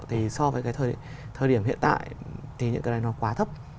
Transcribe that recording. thì so với cái thời điểm hiện tại thì những cái này nó quá thấp